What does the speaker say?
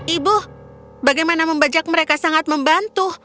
ibu bagaimana membajak mereka sangat membantu